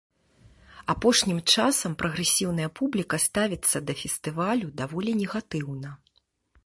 Апошнім часам прагрэсіўная публіка ставіцца да фестывалю даволі негатыўна.